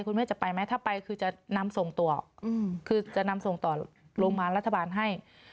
คุณแม่จะไปไหมถ้าไปคือจะนำส่งตัวออกคือจะนำส่งต่อโรงพยาบาลรัฐบาลให้